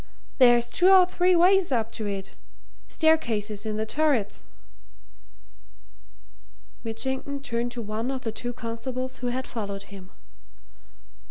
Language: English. There's two or three ways up to it staircases in the turrets." Mitchington turned to one of the two constables who had followed him.